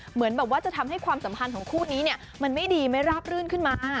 เหมือนแบบว่าจะทำให้ความสัมพันธ์ของคู่นี้เนี่ยมันไม่ดีไม่ราบรื่นขึ้นมา